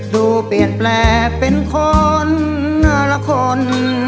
ดูเปลี่ยนแปลงเป็นคนละคน